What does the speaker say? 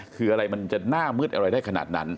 คืออะไรมันจะหน้ามืดอะไรได้ขนาดนั้น